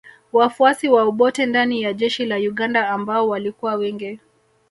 Wafuasi wa Obote ndani ya jeshi la Uganda ambao walikuwa wengi